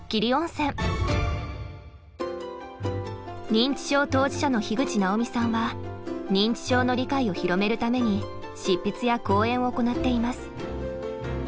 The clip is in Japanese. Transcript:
認知症当事者の樋口直美さんは認知症の理解を広めるために執筆や講演を行っています。